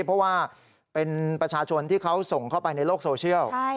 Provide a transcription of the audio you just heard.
เพราะว่าเป็นประชาชนที่เขาส่งเข้าไปในโลกโซเชียล